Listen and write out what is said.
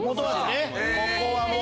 ここはもう！